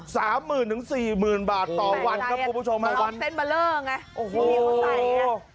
สามหมื่นถึงสี่หมื่นบาทต่อวันครับคุณผู้ชมฮะวันเส้นเบอร์เลอร์ไงโอ้โหใส่อ่ะ